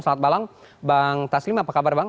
selamat malam bang taslim apa kabar bang